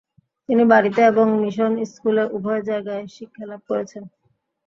তিনি বাড়িতে এবং মিশন স্কুলে উভয় জায়গায় শিক্ষালাভ করেছেন।